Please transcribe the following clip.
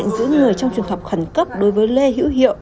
giữ người trong trường hợp khẩn cấp đối với lê hữu hiệu